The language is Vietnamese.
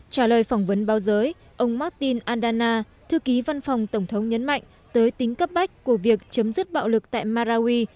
trả lời phỏng vấn báo giới ông martin andana thư ký văn phòng tổng thống nhấn mạnh tới tính cấp bách của việc chấm dứt bạo lực tại marawi